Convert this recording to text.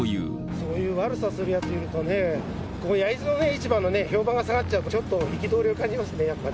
そういう悪さするやつがいるとね、焼津の市場の評判が下がっちゃうのは、ちょっと憤りを感じますね、やっぱり。